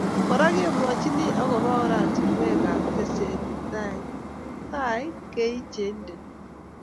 Kora, kikomwochin akoba oratinwek ab tesetaet ab kei che indeni